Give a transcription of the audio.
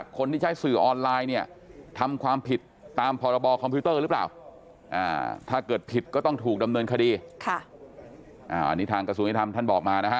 สูงสูงให้ทำท่านบอกมานะครับ